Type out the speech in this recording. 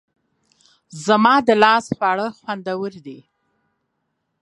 زما د لاس خواړه خوندور دي